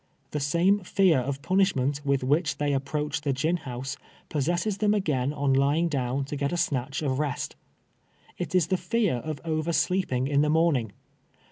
The same fear of punishment with which they approach, the gin house, possesses them again on lying down to get a snatch of rest. It is the tear of oversleeping in the morning.